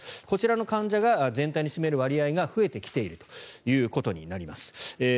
こちらの患者が全体の占める割合が増えてきているということになります。